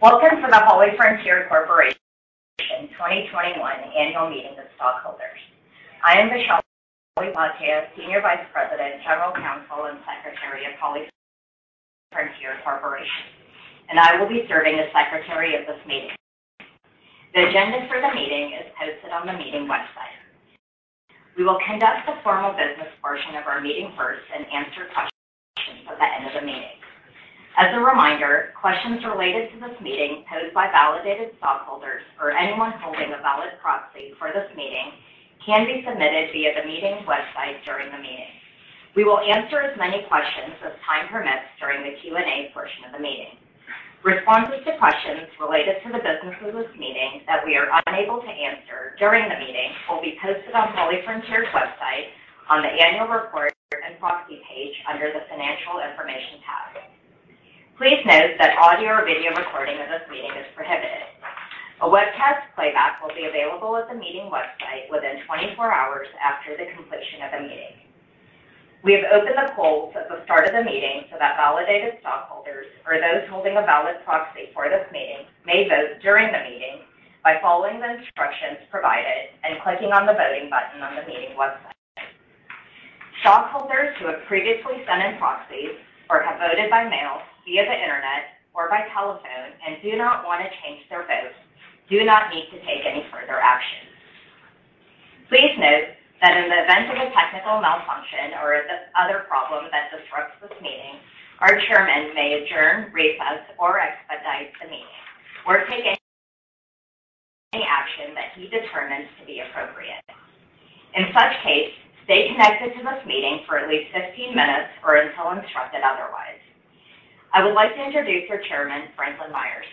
Welcome to the HollyFrontier Corporation 2021 Annual Meeting of Stockholders. I am Vaishali Bhatia, Senior Vice President, General Counsel, and Secretary of HollyFrontier Corporation, and I will be serving as secretary of this meeting. The agenda for the meeting is posted on the meeting website. We will conduct the formal business portion of our meeting first and answer questions at the end of the meeting. As a reminder, questions related to this meeting posed by validated stockholders or anyone holding a valid proxy for this meeting can be submitted via the meeting website during the meeting. We will answer as many questions as time permits during the Q&A portion of the meeting. Responses to questions related to the business of this meeting that we are unable to answer during the meeting will be posted on HollyFrontier's website on the annual report and proxy page under the financial information tab. Please note that audio or video recording of this meeting is prohibited. A webcast playback will be available at the meeting website within 24 hours after the completion of the meeting. We have opened the polls at the start of the meeting so that validated stockholders or those holding a valid proxy for this meeting may vote during the meeting by following the instructions provided and clicking on the voting button on the meeting website. Stockholders who have previously sent in proxies or have voted by mail, via the internet, or by telephone and do not want to change their vote, do not need to take any further action. Please note that in the event of a technical malfunction or other problem that disrupts this meeting, our chairman may adjourn, recess, or expedite the meeting or take any action that he determines to be appropriate. In such case, stay connected to this meeting for at least 15 minutes or until instructed otherwise. I would like to introduce our Chairman, Franklin Myers.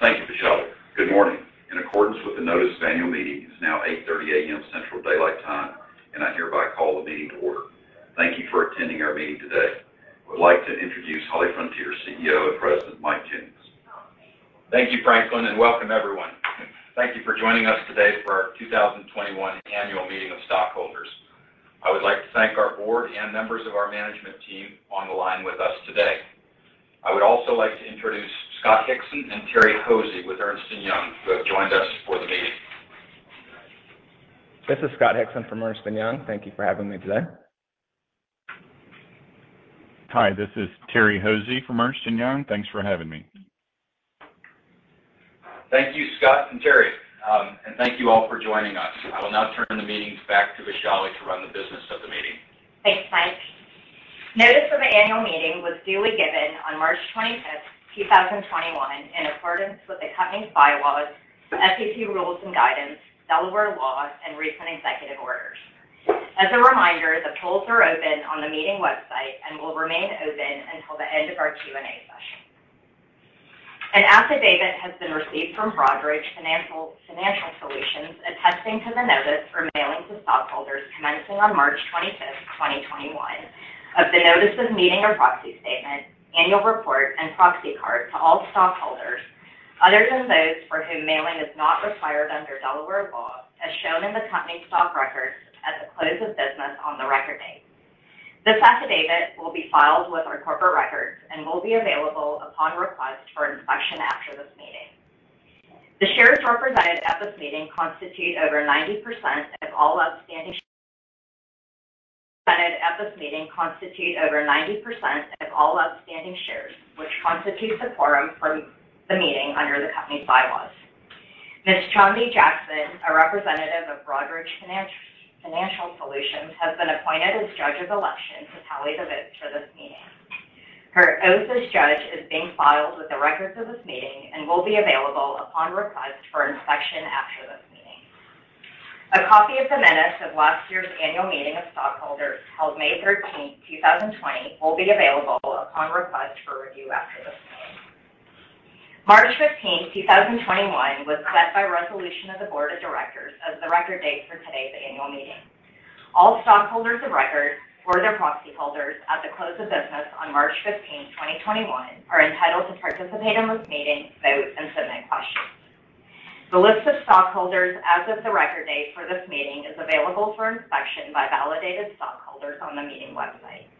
Thank you, Vaishali. Good morning. In accordance with the notice of annual meeting, it is now 8:30 A.M. Central Daylight Time, and I hereby call the meeting to order. Thank you for attending our meeting today. I would like to introduce HollyFrontier's CEO and President, Mike Jennings. Thank you, Franklin, and welcome everyone. Thank you for joining us today for our 2021 annual meeting of stockholders. I would like to thank our board and members of our management team on the line with us today. I would also like to introduce Scott Hickson and Terry Hosey with Ernst & Young, who have joined us for the meeting. This is Scott Hickon from Ernst & Young. Thank you for having me today. Hi, this is Terry Hosey from Ernst & Young. Thanks for having me. Thank you, Scott and Terry. Thank you all for joining us. I will now turn the meeting back to Vaishali to run the business of the meeting. Thanks, Mike. Notice of the annual meeting was duly given on March 25th, 2021 in accordance with the company's bylaws, SEC rules and guidance, Delaware law, and recent executive orders. As a reminder, the polls are open on the meeting website and will remain open until the end of our Q&A session. An affidavit has been received from Broadridge Financial Solutions attesting to the notice for mailing to stockholders commencing on March 25th, 2021 of the notice of meeting and proxy statement, annual report, and proxy card to all stockholders, other than those for whom mailing is not required under Delaware law, as shown in the company stock records at the close of business on the record date. This affidavit will be filed with our corporate records and will be available upon request for inspection after this meeting. The shares represented at this meeting constitute over 90% of all outstanding shares, which constitutes a quorum for the meeting under the company's bylaws. Ms. Chandni Jackson, a representative of Broadridge Financial Solutions, has been appointed as judge of election to tally the votes for this meeting. Her oath as judge is being filed with the records of this meeting and will be available upon request for inspection after this meeting. A copy of the minutes of last year's annual meeting of stockholders held May 13th, 2020, will be available upon request for review after this meeting. March 15th, 2021, was set by resolution of the board of directors as the record date for today's annual meeting. All stockholders of record or their proxy holders at the close of business on March 15th, 2021, are entitled to participate in this meeting, vote, and submit questions. The list of stockholders as of the record date for this meeting is available for inspection by validated stockholders on the meeting website.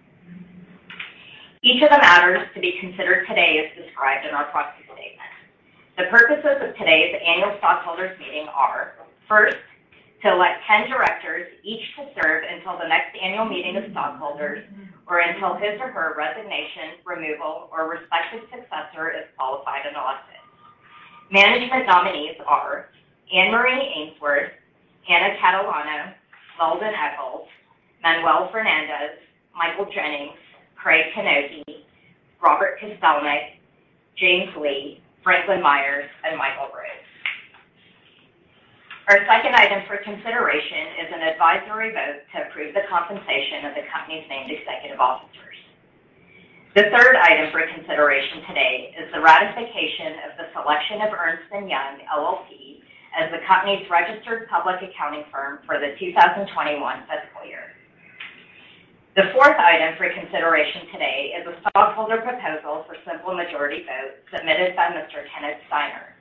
Each of the matters to be considered today is described in our proxy statement. The purposes of today's annual stockholders meeting are, first, to elect 10 directors, each to serve until the next annual meeting of stockholders or until his or her resignation, removal, or respective successor is qualified and elected. Management nominees are Anne-Marie Ainsworth, Anna-Maria Catalano, Leldon Echols, Manuel Fernandez, Michael Jennings, R. Craig Knocke, Robert Kostelnik, James Lee, Franklin Myers, and Michael Rose. Our second item for consideration is an advisory vote to approve the compensation of the company's named executive officers. The third item for consideration today is the ratification of the selection of Ernst & Young LLP as the company's registered public accounting firm for the 2021 fiscal year. The fourth item for consideration today is a stockholder proposal for simple majority vote submitted by Mr. Kenneth Steiner.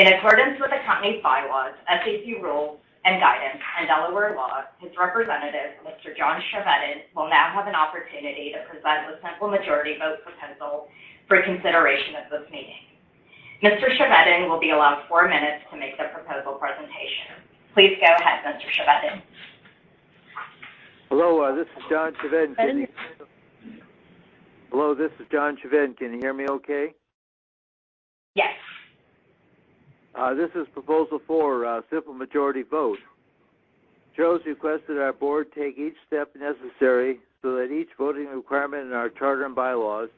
In accordance with the company bylaws, SEC rules and guidance, and Delaware law, his representative, Mr. John Chevedden, will now have an opportunity to present the simple majority vote proposal for consideration at this meeting. Mr. Chevedden will be allowed four minutes to make the proposal presentation. Please go ahead, Mr. Chevedden. Hello, this is John Chevedden. Can you hear me okay? Yes. This is Proposal four, simple majority vote. Shareholders request that our board take each step necessary so that each voting requirement in our charter and bylaws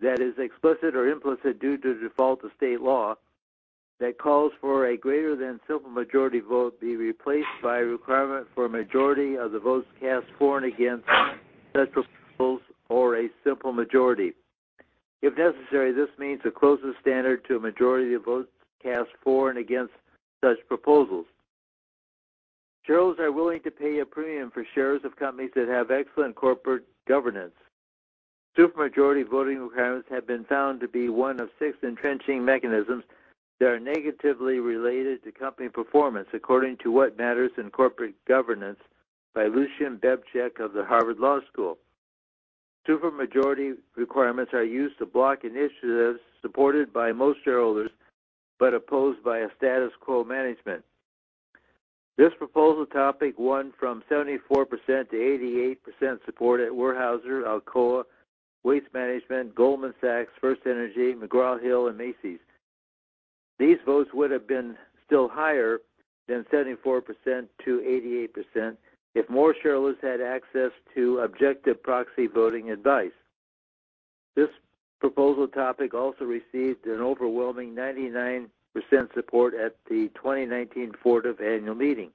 that is explicit or implicit due to default of state law that calls for a greater than simple majority vote be replaced by a requirement for a majority of the votes cast for and against such proposals or a simple majority. If necessary, this means the closest standard to a majority of votes cast for and against such proposals. Shareholders are willing to pay a premium for shares of companies that have excellent corporate governance. Super majority voting requirements have been found to be one of six entrenching mechanisms that are negatively related to company performance, according to "What Matters in Corporate Governance" by Lucian Bebchuk of the Harvard Law School. Super majority requirements are used to block initiatives supported by most shareholders, but opposed by a status quo management. This proposal topic won from 74%-88% support at Weyerhaeuser, Alcoa, Waste Management, Goldman Sachs, FirstEnergy, McGraw Hill, and Macy's. These votes would have been still higher than 74%-88% if more shareholders had access to objective proxy voting advice. This proposal topic also received an overwhelming 99% support at the 2019 Fortive Annual Meeting.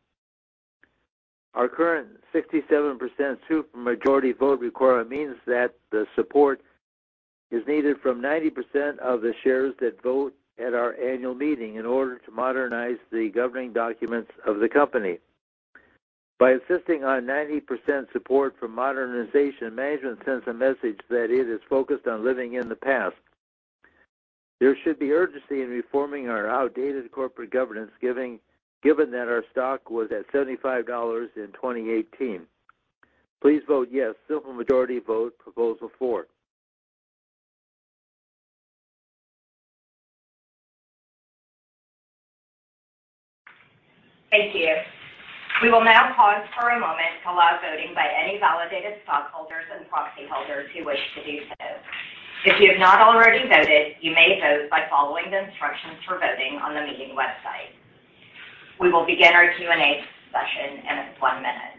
Our current 67% super majority vote requirement means that the support is needed from 90% of the shares that vote at our annual meeting in order to modernize the governing documents of the company. By insisting on 90% support for modernization, management sends a message that it is focused on living in the past. There should be urgency in reforming our outdated corporate governance, given that our stock was at $75 in 2018. Please vote yes, simple majority vote Proposal four. Thank you. We will now pause for a moment to allow voting by any validated stockholders and proxy holders who wish to do so. If you have not already voted, you may vote by following the instructions for voting on the meeting website. We will begin our Q&A session in one minute.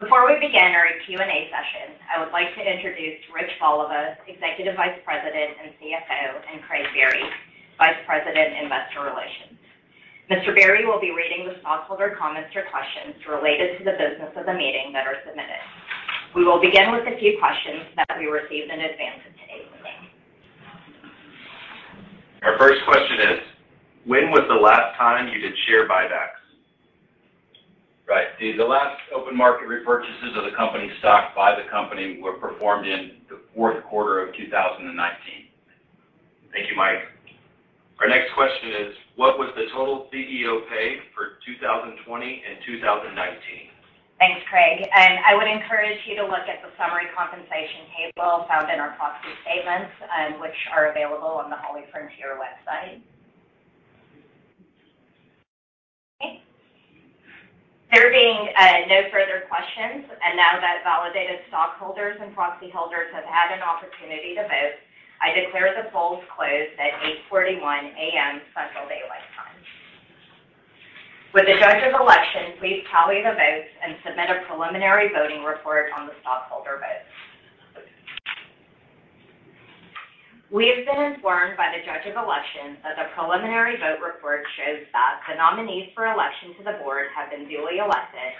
Before we begin our Q&A session, I would like to introduce Rich Voliva, Executive Vice President and CFO, and Craig Biery, Vice President Investor Relations. Mr. Biery will be reading the stockholder comments or questions related to the business of the meeting that are submitted. We will begin with a few questions that we received in advance of today's meeting. Our first question is, when was the last time you did share buybacks? Right. The last open market repurchases of the company stock by the company were performed in the Q4 of 2019. Thank you, Mike. Our next question is, what was the total CEO pay for 2020 and 2019? Thanks, Craig. I would encourage you to look at the summary compensation table found in our proxy statements, which are available on the HollyFrontier website. Okay. There being no further questions. Now that validated stockholders and proxy holders have had an opportunity to vote, I declare the polls closed at 8:41 A.M. Central Daylight Time. Would the Judge of Election please tally the votes and submit a preliminary voting report on the stockholder vote? We have been informed by the Judge of Election that the preliminary vote report shows that the nominees for election to the board have been duly elected,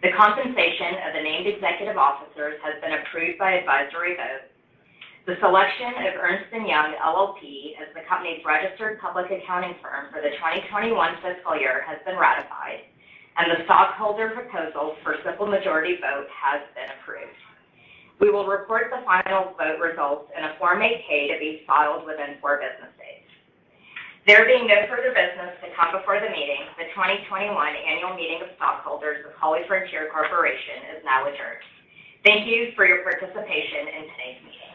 the compensation of the named executive officers has been approved by advisory vote, the selection of Ernst & Young LLP as the company's registered public accounting firm for the 2021 fiscal year has been ratified, and the stockholder proposal for simple majority vote has been approved. We will report the final vote results in a Form 8-K to be filed within four business days. There being no further business to come before the meeting, the 2021 annual meeting of stockholders of HollyFrontier Corporation is now adjourned. Thank you for your participation in today's meeting.